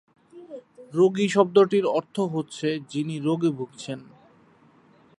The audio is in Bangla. রোগী শব্দটির অর্থ হচ্ছে 'যিনি রোগে ভুগছেন'।